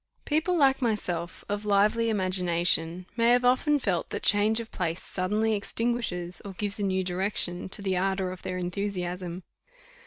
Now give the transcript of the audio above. People like myself, of lively imagination, may have often felt that change of place suddenly extinguishes, or gives a new direction to, the ardour of their enthusiasm.